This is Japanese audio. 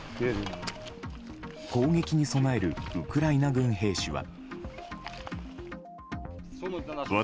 攻撃に備えるウクライナ軍兵士は。